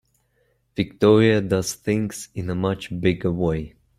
Victoria does things in a much bigger way.